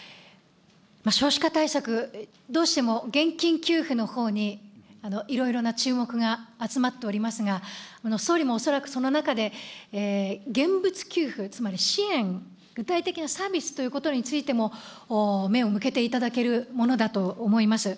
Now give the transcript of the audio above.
少子化対策、どうしても現金給付のほうにいろいろな注目が集まっておりますが、総理も恐らくその中で現物給付、つまり支援、具体的なサービスということについても、目を向けていただけるものだと思います。